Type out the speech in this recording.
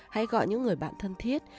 hãy gọi những người bạn thân thiết